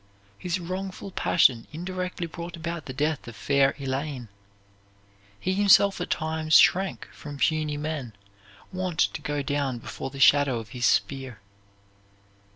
His wrongful passion indirectly brought about the death of fair Elaine. He himself at times shrank from puny men wont to go down before the shadow of his spear.